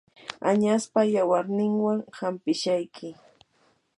añaspa yawarninwanmi hanpishayki.